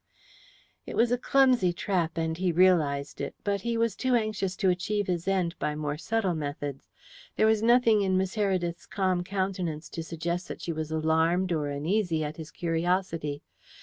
It was a clumsy trap, and he realized it, but he was too anxious to achieve his end by more subtle methods. There was nothing in Miss Heredith's calm countenance to suggest that she was alarmed or uneasy at his curiosity.